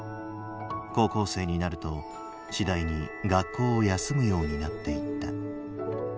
高校生になると次第に学校を休むようになっていった。